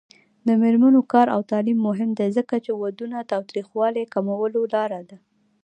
د میرمنو کار او تعلیم مهم دی ځکه چې ودونو تاوتریخوالي کمولو لاره ده.